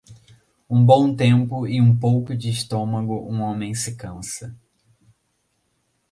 Um bom tempo e um pouco de estômago um homem se cansa.